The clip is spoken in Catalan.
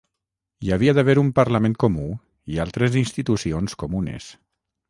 Hi havia d'haver un parlament comú i altres institucions comunes.